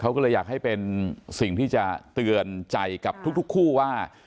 เขาก็เลยอยากให้เป็นสิ่งที่จะเตือนใจกับทุกคู่ว่า